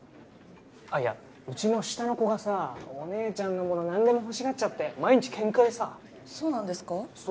あいやうちの下の子がさお姉ちゃんのもの何でも欲しがっちゃって毎日ケンカでさ。